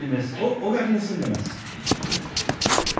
大垣に住んでます。